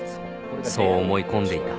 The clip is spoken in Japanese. そう思い込んでいた